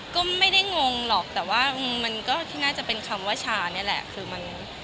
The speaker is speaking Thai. ก็ไม่ได้งงหรอกแต่ว่ามันก็ที่น่าจะเป็นคำว่าชานี่แหละคือมัน